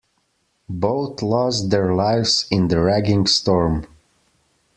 Both lost their lives in the raging storm.